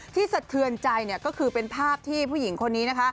ที่สะเทือนใจก็คือเป็นภาพที่ผู้หญิงคนนี้